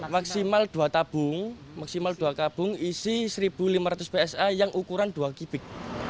maksimal dua tabung maksimal dua tabung isi satu lima ratus psa yang ukuran dua kibik